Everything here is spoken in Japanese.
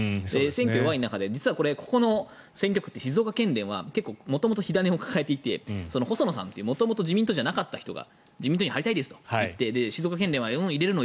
選挙が弱い中で実はここの選挙区って静岡県連は元々火種を抱えていて細野さんという元々、自民党じゃなかった人が自民党に入りたいですと言って静岡県連は入れるの？